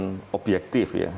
disampaikan dengan objektif ya